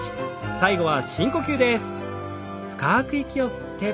最後は深呼吸です。